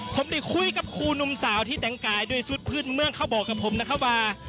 ผมได้คุยกับครูหนุ่มสาวที่แต่งกายด้วยชุดพื้นเมืองเขาบอกกับผมนะครับว่า